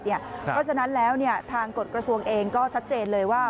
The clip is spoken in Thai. เพราะฉะนั้นแล้วทางกฎกระทรวงเองก็ชัดเจนเลยว่า